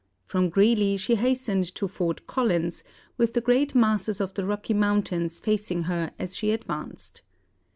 From Greeley she hastened to Fort Collins, with the grand masses of the Rocky Mountains facing her as she advanced.